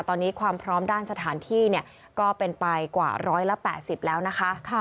ตอนนี้ความพร้อมด้านสถานที่ก็เป็นไปกว่า๑๘๐แล้วนะคะ